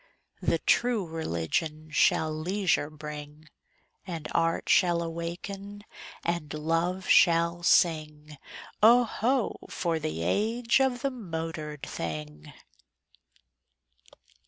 The True Religion shall leisure bring; And Art shall awaken and Love shall sing: Oh, ho! for the age of the motored thing!